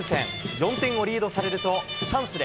４点をリードされると、チャンスで、